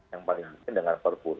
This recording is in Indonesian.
yang paling mungkin dengan perpu